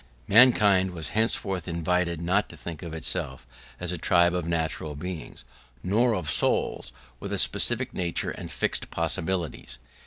Mankind was henceforth invited not to think of itself as a tribe of natural beings, nor of souls, with a specific nature and fixed possibilities.